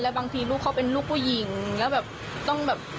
บางทีลูกเขาเป็นลูกผู้หญิงแล้วแบบต้องแบบ